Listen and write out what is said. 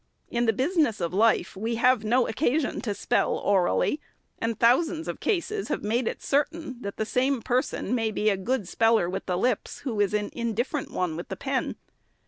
In the business of Life, we have no occasion to spell orally, and thousands of cases have made it cer tain, that the same person may be a good speller with the VOL, I. 84 530 THE SECRETARY'S lips, who is an indifferent one with the pen.